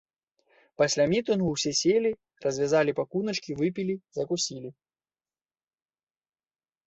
Пасля мітынгу ўсе селі, развязалі пакуначкі, выпілі, закусілі.